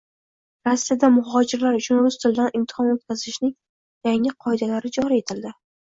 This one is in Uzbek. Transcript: Rossiyada muhojirlar uchun rus tilidan imtihon o‘tkazishning yangi qoidalari joriy etildi